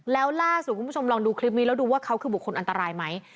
แล้วล่าสุดคุณผู้ชมลองดูคลิปนี้แล้วดูว่าเขาคือบุคคลอันตรายไหม